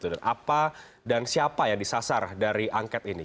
apa dan siapa yang disasar dari angket ini